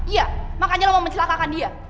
iya makanya lo mau mencelakakan dia